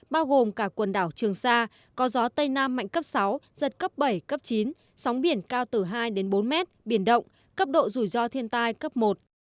bao gồm cả quần đảo trường sa có gió tây nam mạnh cấp sáu giật cấp bảy cấp chín sóng biển cao từ hai đến bốn mét biển động cấp độ rủi ro thiên tai cấp một